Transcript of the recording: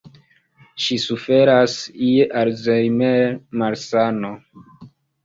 Ŝi suferas je Alzheimer-malsano.